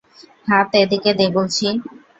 হাত এদিকে দে বলছি!